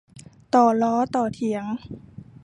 ต่อล้อต่อเถียง